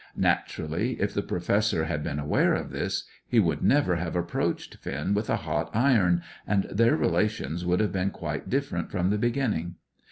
Naturally, if the Professor had been aware of this, he would never have approached Finn with a hot iron, and their relations would have been quite different from the beginning.